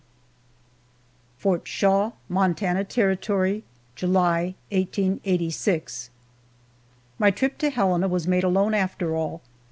FORT SHAW, MONTANA TERRITORY, July, 1886. MY trip to Helena was made alone, after all!